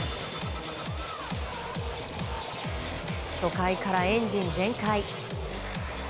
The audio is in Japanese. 初回からエンジン全開。